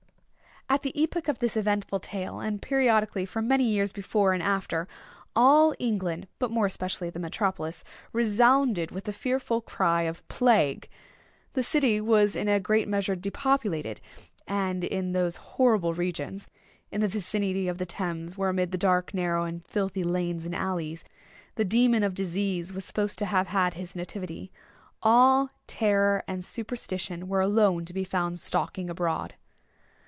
At the epoch of this eventful tale, and periodically, for many years before and after, all England, but more especially the metropolis, resounded with the fearful cry of "Plague!" The city was in a great measure depopulated—and in those horrible regions, in the vicinity of the Thames, where amid the dark, narrow, and filthy lanes and alleys, the Demon of Disease was supposed to have had his nativity, Awe, Terror, and Superstition were alone to be found stalking abroad.